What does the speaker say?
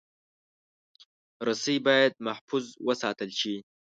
رسۍ باید محفوظ وساتل شي.